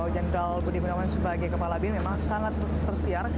jenderal budi gunawan sebagai kepala bin memang sangat tersiar